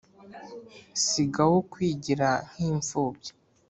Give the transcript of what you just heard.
sigaho kwigira nk'impfubyi